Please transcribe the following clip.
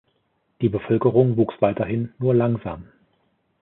Die Bevölkerung wuchs weiterhin nur langsam.